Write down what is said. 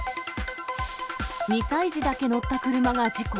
２歳児だけ乗った車が事故。